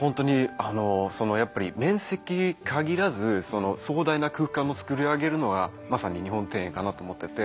本当にやっぱり面積限らず壮大な空間をつくり上げるのがまさに日本庭園かなと思ってて。